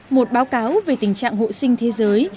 một báo cáo về tình trạng hộ sinh thế giới